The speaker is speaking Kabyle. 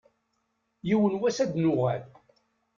Yiwen n wass ad n-yuɣal.